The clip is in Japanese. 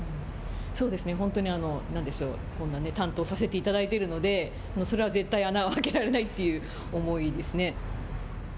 そうですね、本当に担当させていただいているのでそれは絶対穴はあけられないという思いですね。